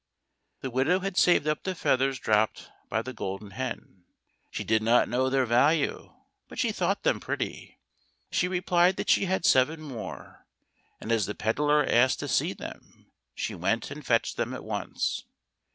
The widow had saved up the feathers dropped by the Golden Hen. She did not know their value, but she thought them pretty. She replied that she had seven more, and as the pedlar asked to see them she went and fetched them at once.